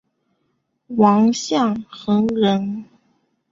王象恒人。